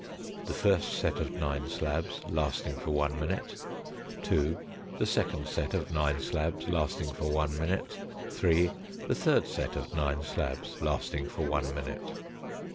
The first set of nine slabs lasting for one minute. 2. The second set of nine slabs lasting for one minute. 3. The third set of nine slabs lasting for one minute.